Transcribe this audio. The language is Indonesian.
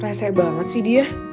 resek banget sih dia